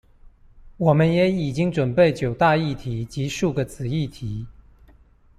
我們也已經準備九大議題及數個子題